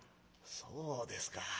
「そうですか。